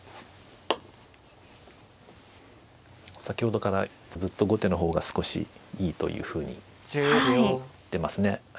先ほどからずっと後手の方が少しいいというふうに言ってますね。